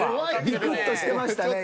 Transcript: ビクッとしてましたね